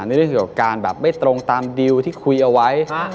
ในเรื่องของการไม่ตรงตามดิวที่คุยเอาไว้